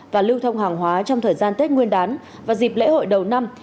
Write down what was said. và lưu thông hàng hóa trong thời gian tết nguyên đán và dịp lễ hội đầu năm